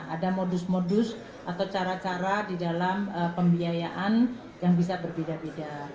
ada modus modus atau cara cara di dalam pembiayaan yang bisa berbeda beda